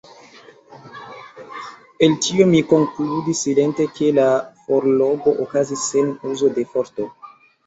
El tio mi konkludis silente, ke la forlogo okazis sen uzo de forto.